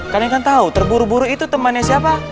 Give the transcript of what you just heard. karena kan tahu terburu buru itu temannya siapa